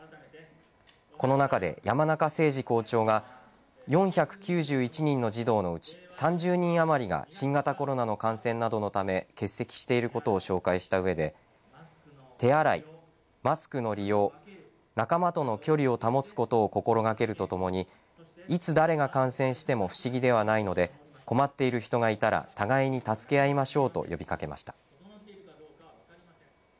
この中で、山中正治校長が４９１人の児童のうち３０人余りが新型コロナの感染などのため欠席していることを紹介したうえで手洗い、マスクの利用仲間との距離を保つことを心がけるとともにいつ誰が感染しても不思議ではないので困っている人がいたら互いに助け合いましょうと呼びかけました。